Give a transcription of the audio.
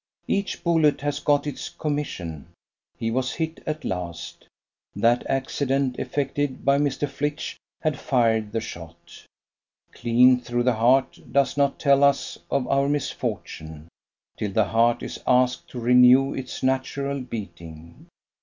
"Each bullet has got its commission." He was hit at last. That accident effected by Mr. Flitch had fired the shot. Clean through the heart, does not tell us of our misfortune, till the heart is asked to renew its natural beating.